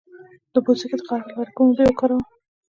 د پوستکي د خارښ لپاره کومې اوبه وکاروم؟